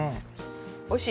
おいしい。